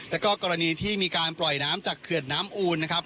แล้วก็กรณีที่มีการปล่อยน้ำจากเขื่อนน้ำอูนนะครับ